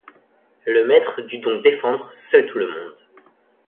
Le maître dut donc défendre seul tout le monde.